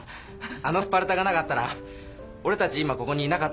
あのスパルタがなかったら俺たち今ここにいなかったんだもんな。